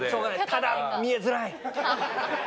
ただ見えづらい。